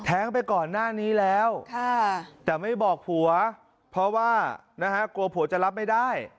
ไปก่อนหน้านี้แล้วแต่ไม่บอกผัวเพราะว่านะฮะกลัวผัวจะรับไม่ได้